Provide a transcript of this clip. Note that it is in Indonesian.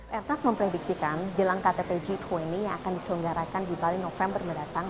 petak memprediksikan jelang ktt g dua puluh yang akan diselenggarakan di bali november mendatang